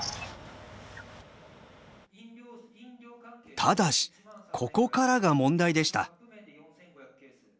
ただしここからが問題でした。